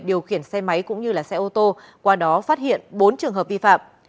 điều khiển xe máy cũng như xe ô tô qua đó phát hiện bốn trường hợp vi phạm